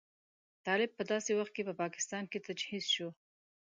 طالب په داسې وخت کې په پاکستان کې تجهیز شو.